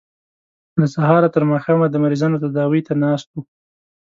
له سهاره تر ماښامه د مریضانو تداوۍ ته ناست وو.